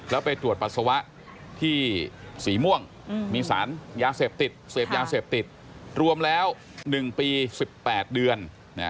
แล้วไปตรวจปัสสาวะที่สีม่วงมีสารยาเสพติดเสพยาเสพติดรวมแล้ว๑ปี๑๘เดือน